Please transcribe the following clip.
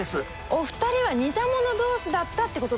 お二人は似た者同士だったってことですね？